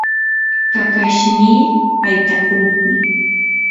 kakashnii haytakuqmi.